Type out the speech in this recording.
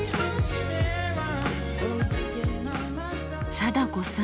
貞子さん